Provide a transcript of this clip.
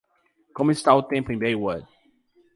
como está o tempo em Baywood